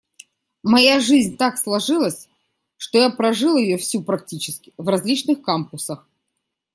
Моя жизнь так сложилась, что я прожил ее всю практически в различных кампусах.